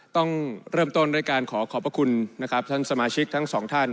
ต้องเริ่มต้นรายการขอขอบพระคุณท่านสมาชิกทั้ง๒ท่าน